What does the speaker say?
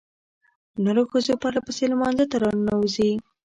نرو ښځې پرلپسې لمانځه ته راننوځي.